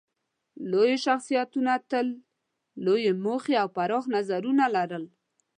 لویو شخصیتونو تل لویې موخې او پراخ نظرونه لرل.